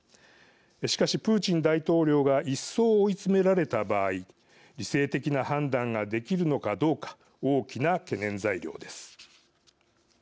しかし、プーチン大統領が一層追い詰められた場合理性的な判断ができるのかどうか大きな懸念材料です。